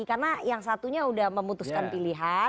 karena yang satunya sudah memutuskan pilihan